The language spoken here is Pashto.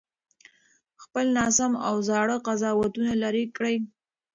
خپل ناسم او زاړه قضاوتونه لرې کړئ.